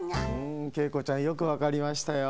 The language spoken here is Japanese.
んＫ子ちゃんよくわかりましたよ。